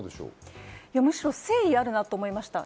むしろ誠意があるなと思いました。